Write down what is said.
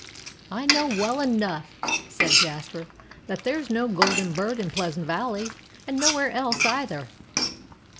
"I know well enough," said Jasper, "that there's no golden bird in Pleasant Valley and nowhere else, either!"